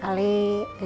membuatnya lebih baik